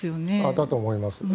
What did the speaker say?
だと思います。